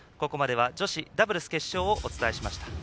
ここまでは女子ダブルス決勝をお伝えしました。